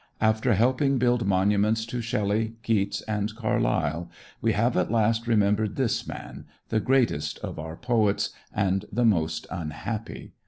After helping build monuments to Shelley, Keats and Carlyle we have at last remembered this man, the greatest of our poets and the most unhappy.